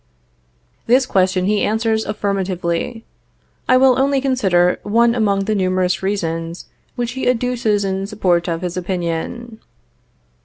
This question he answers affirmatively. I will only consider one among the numerous reasons which he adduces in support of his opinion.